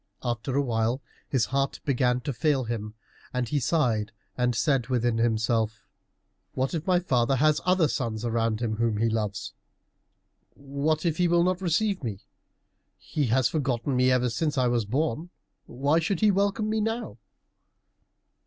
After a while his heart began to fail him, and he sighed and said within himself, "What if my father have other sons around him, whom he loves? What if he will not receive me? He has forgotten me ever since I was born. Why should he welcome me now?"